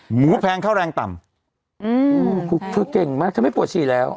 หมูแพงเข้าแรงต่ำอืมคือเธอเก่งมากเธอไม่ปวดฉี่แล้ว